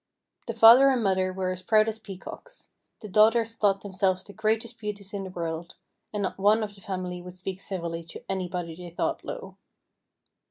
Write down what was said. The father and mother were as proud as peacocks; the daughters thought themselves the greatest beauties in the world, and not one of the family would speak civilly to anybody they thought low.